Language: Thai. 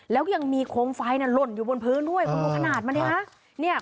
แล้วยังมีโคมไฟหล่นอยู่บนพื้นด้วยคุณดูขนาดมันดิฮะ